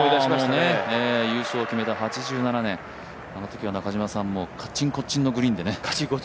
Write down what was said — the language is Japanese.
あの優勝を決めた８７年、あのときは中嶋さんもカッチンコッチンのグリーンでね。